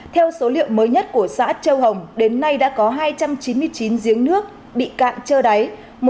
theo số liệu mới nhất của xã châu hồng đến nay đã có hai trăm chín mươi chín giếng nước bị cạn trơ đáy